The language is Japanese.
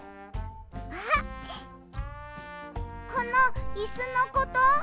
あっこのイスのこと？